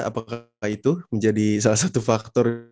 apakah itu menjadi salah satu faktor